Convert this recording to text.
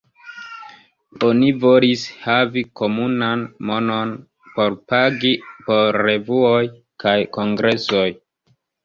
Oni volis havi komunan monon por pagi por revuoj kaj kongresoj.